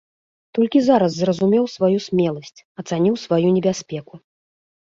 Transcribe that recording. Толькі зараз зразумеў сваю смеласць, ацаніў сваю небяспеку.